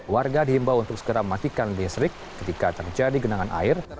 warga dihimbau untuk segera mematikan listrik ketika terjadi genangan air